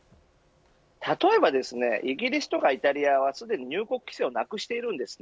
例えばイギリスとかイタリアはすでに入国規制をなくしています